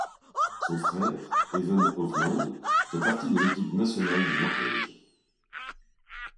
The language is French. Son frère, Even Hovland, fait partie de l'équipe nationale de Norvège.